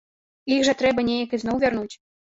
Іх жа трэба неяк ізноў вярнуць.